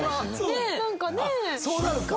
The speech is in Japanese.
そうなるか。